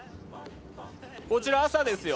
こちら朝ですよ。